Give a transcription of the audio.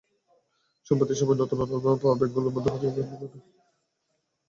সাম্প্রতিক সময়ে নতুন অনুমোদন পাওয়া ব্যাংকগুলোর মধ্যে পর্যবেক্ষক নিয়োগের ঘটনা এটিই প্রথম।